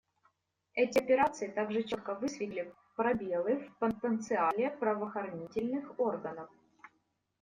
Эти операции также четко высветили пробелы в потенциале правоохранительных органов.